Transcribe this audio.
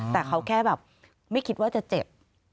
แต่เขาแค่แบบไม่คิดว่าจะเจ็บ